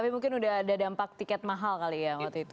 tapi mungkin udah ada dampak tiket mahal kali ya waktu itu